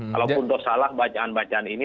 kalau pun toh salah bacaan bacaan ini